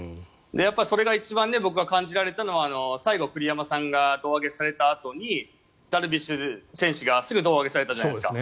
それが一番僕が感じられたのは最後、栗山さんが胴上げされたあとにダルビッシュ選手がすぐに胴上げされたじゃないですか。